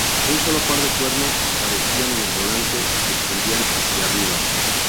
Un solo par de cuernos aparecían en el volante y se extendían hacia arriba.